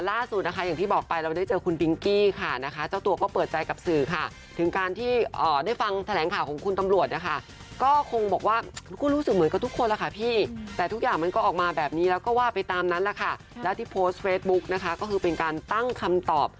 ล่าสุดนะคะอย่างที่บอกไปเราได้เจอคุณพิงกี้ค่ะนะคะเจ้าตัวก็เปิดใจกับสื่อค่ะถึงการที่ได้ฟังแถลงข่าวของคุณตำรวจนะคะก็คงบอกว่าก็รู้สึกเหมือนกับทุกคนล่ะค่ะพี่แต่ทุกอย่างมันก็ออกมาแบบนี้แล้วก็ว่าไปตามนั้นแหละค่ะแล้วที่โพสต์เฟซบุ๊กนะคะก็คือเป็นการตั้งคำตอบ